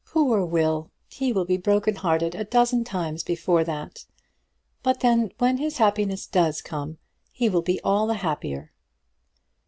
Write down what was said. "Poor Will! He will be broken hearted a dozen times before that. But then, when his happiness does come, he will be all the happier."